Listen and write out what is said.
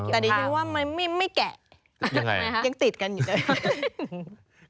แต่นี่คือว่าไม่แกะยังติดกันอยู่ด้วย